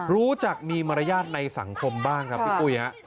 รู้จักมีมารยาทในสังคมบ้างครับพี่ปุ้ยฮะ